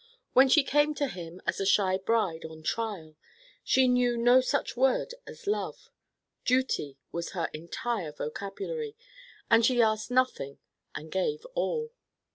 When she came to him as a shy bride on trial, she knew no such word as love. Duty was her entire vocabulary, and she asked nothing and gave all.